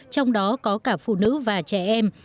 trong đó có cả phụ nữ và trẻ em